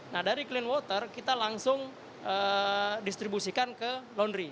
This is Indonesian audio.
nah dari clean water kita langsung distribusikan ke laundry